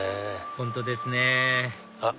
本当ですねあっ